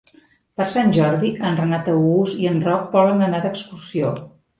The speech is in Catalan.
Per Sant Jordi en Renat August i en Roc volen anar d'excursió.